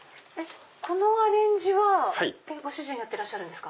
このアレンジはご主人やってらっしゃるんですか？